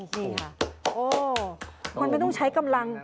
นี่ค่ะโอ้มันไม่ต้องใช้กำลัง